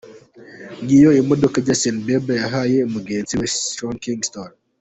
Ngiyo imodoka Justin Bieber yahaye mugenzi we Sean Kingston.